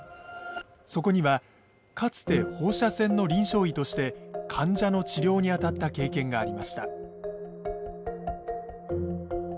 そこにはかつて放射線の臨床医として患者の治療に当たった経験がありました。